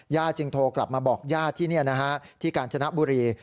ย่าจิงโทกลับมาบอกย่าที่กาญจนบุรี